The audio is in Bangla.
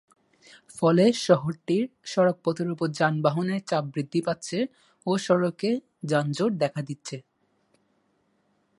ফলে শহরটির সড়ক পথের উপর যানবাহনের চাপ বৃদ্ধি পাচ্ছে ও সড়কে যানজট দেখা দিচ্ছে।